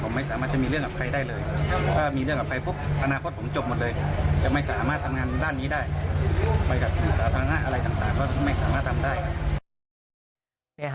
ไปกับสาธารณะอะไรต่างก็ไม่สามารถทำได้